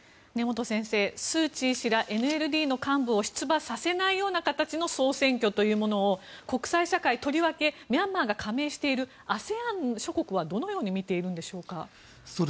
根本先生スー・チー氏らＮＬＤの幹部を出馬させないような形の総選挙というものを国際社会とりわけミャンマーが加盟しているＡＳＥＡＮ諸国はどう見ているのでしょうか。